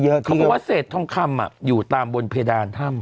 เขาบอกว่าเศษทองคำอยู่ตามบนเพดานถ้ำ